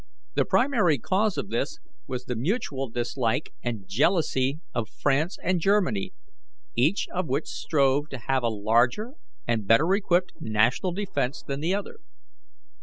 The primary cause of this was the mutual dislike and jealousy of France and Germany, each of which strove to have a larger and better equipped national defence than the other.